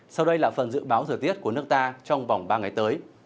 sau đây là phần dự báo thời tiết của nước ta trong vòng ba ngày tới